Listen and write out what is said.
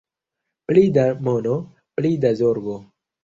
Pli da mono, pli da zorgo.